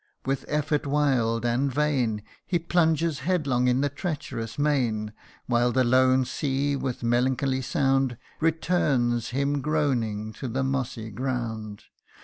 With effort wild and vain He plunges headlong in the treacherous main ; While the lone sea, with melancholy sound, Returns him groaning to the mossy ground.